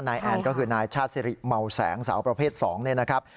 แอนก็คือนายชาติสิริเมาแสงสาวประเภท๒เนี่ยนะครับ